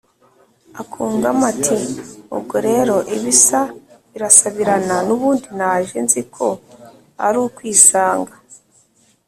akungamo ati: “ubwo rero ‘ibisa birasabirana’, n’ubundi naje nzi ko ari ukwisanga